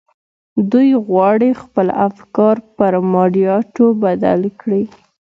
دوی غواړي خپل افکار پر مادياتو بدل کړي.